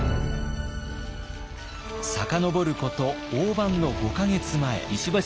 遡ること飯の５か月前。